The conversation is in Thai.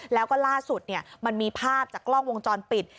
แล้วก็ล่าสุดมันมีภาพจากกล้องวงจรปิด